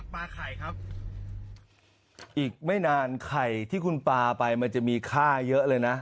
ไข่ครับอีกไม่นานไข่ที่คุณปลาไปมันจะมีค่าเยอะเลยนะ